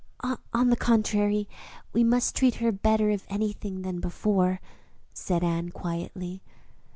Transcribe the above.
"On the contrary, we must treat her better, if anything, than before," said Anne quietly.